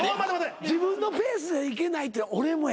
自分のペースでいけないって俺もや。